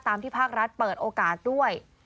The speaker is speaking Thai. ที่ภาครัฐเปิดโอกาสด้วย